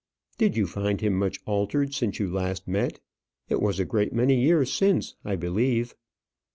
"Did you find him much altered since you last met? It was a great many years since, I believe?"